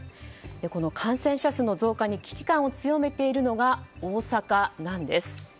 この感染者数の増加に危機感を強めているのが大阪なんです。